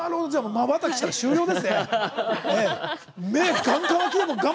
まばたきしたら終了ですね。